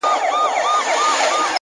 • یو پراخ او ښکلی چمن دی ,